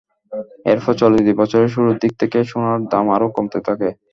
এরপর চলতি বছরের শুরুর দিক থেকে সোনার দাম আরও কমতে থাকে।